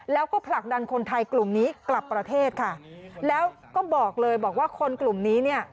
แล้วก็ผลักดันคนไทยกลุ่มนี้กลับประเทศค่ะแล้วก็บอกเลยบอกว่าคนกลุ่มนี้เนี่ย